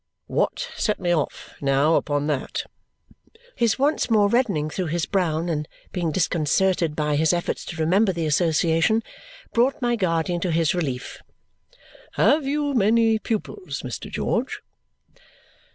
"Humph! What set me off, now, upon that!" His once more reddening through his brown and being disconcerted by his efforts to remember the association brought my guardian to his relief. "Have you many pupils, Mr. George?"